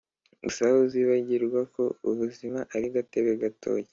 gusa uzibagirwa ko ubuzima ari gatebe gatoki!